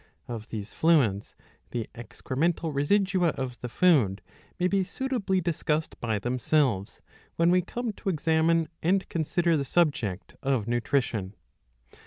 Of these fluids, the excremental residua of the food may be suitably discussed by themselves, when we come to examine and consider the subject of nutrition.